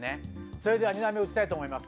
それでは打ちたいと思います